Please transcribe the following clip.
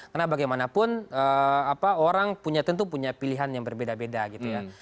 karena bagaimanapun orang tentu punya pilihan yang berbeda beda gitu ya